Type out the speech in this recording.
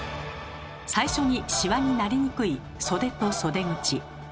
最初にシワになりにくい袖と袖口。